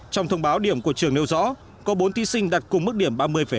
trong thông báo điểm của trường nêu rõ có bốn thí sinh đặt cùng mức điểm ba mươi hai mươi năm